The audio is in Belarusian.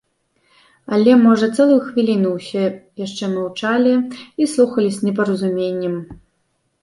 Але, можа, цэлую хвіліну ўсе яшчэ маўчалі і слухалі з непаразуменнем.